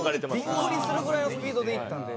ビックリするぐらいのスピードでいったんで。